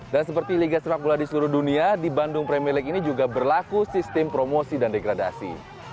dan seperti liga sepak bola di seluruh dunia di bandung premier league ini juga berlaku sistem promosi dan degradasi